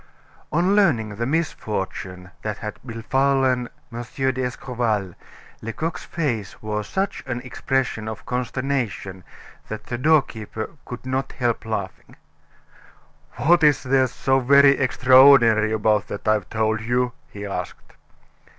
On learning the misfortune that had befallen M. d'Escorval, Lecoq's face wore such an expression of consternation that the doorkeeper could not help laughing. "What is there so very extraordinary about that I've told you?" he asked.